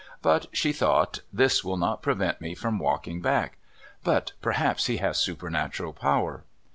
But she thought, "This will not prevent me from walking back. But perhaps he has supernatural power."